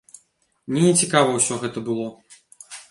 Мне нецікава ўсё гэта было.